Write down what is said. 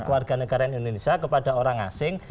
warga negara indonesia kepada orang asing